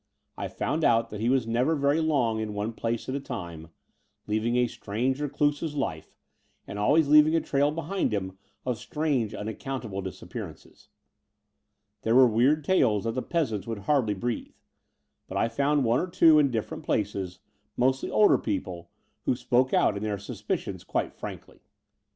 I found out that he was never very long in one place at a time, leading a strange recluse's life, and always leaving a trail behind him of strange, unaccountable disappearances. There were weird tales that the peasants wotdd hardly breathe : but I found one or two in different places, mostly older people, who spoke out their suspicions quite frankly.